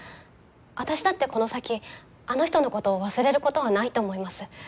私だってこの先あの人のことを忘れることはないと思います。